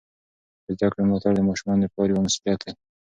د زده کړې ملاتړ د ماشومانو د پلار یوه مسؤلیت ده.